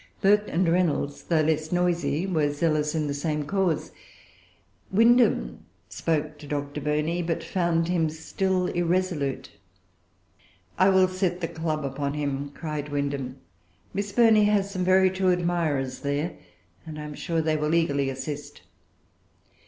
Burke and Reynolds, though less noisy, were zealous in the same cause. Windham spoke to Dr. Burney; but found him still irresolute. "I will set the club upon him," cried Windham; "Miss Burney has some very true admirers there, and I am sure they will eagerly assist."